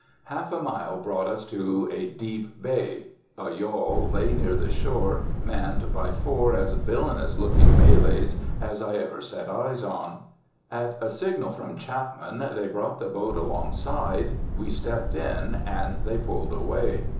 Half a mile brought us to a deep bay. A yawl lay near the shore manned by four as villainous looking Malays as I ever set eyes on. At a signal from Chapman they brought the boat along side, we stepped in and they pulled away.